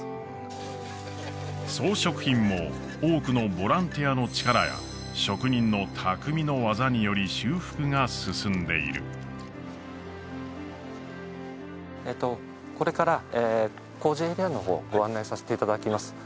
装飾品も多くのボランティアの力や職人の匠の技により修復が進んでいるこれから工事エリアの方をご案内させていただきます